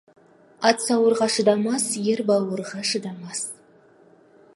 Ат сауырға шыдамас, ер бауырға шыдамас.